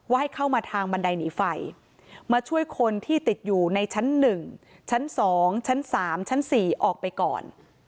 ว่าให้เข้ามาทางบันไดหนีไฟมาช่วยคนที่ติดอยู่ในชั้นหนึ่งชั้นสองชั้นสามชั้นสี่ออกไปก่อน